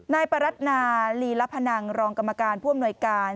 นายประรัชนารีลพนังรองกรรมการภ่วมหน่วยการ